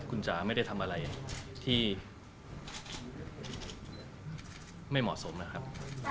คุณจ๋าไม่ได้ทำอะไรที่ไม่เหมาะสมนะครับ